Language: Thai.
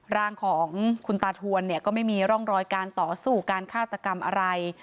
ร่างของคุณตาทวนเนี่ยก็ไม่มีร่องรอยการต่อสู้การฆาตกรรมอะไร